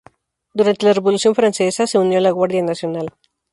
Durante la Revolución francesa, se unió a la Guardia Nacional.